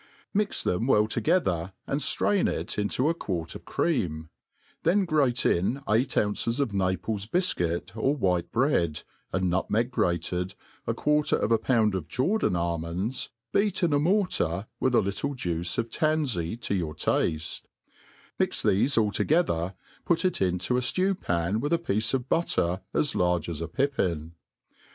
Mix them well together^ and ftrain it idto a quart of cream ; then grate in eight ounces of Naples bjfcuit or white bread, a nutmeg grated, a quarter of a pound of Jordan almonds, beat in a mortar, with a little'juice of tan jey to your tafte : mix thefe all together, put it into a ftew pan, with a piebe of butter as large as a pippin.